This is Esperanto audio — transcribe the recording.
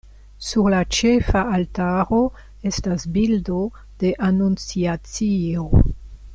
Sur la ĉefa altaro estas bildo de Anunciacio.